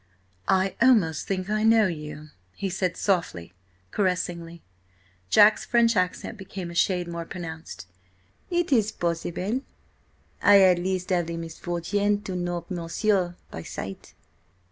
"I almost think I know you," he said softly, caressingly. Jack's French accent became a shade more pronounced. "It is possible. I at least have the misfortune to know monsieur by sight."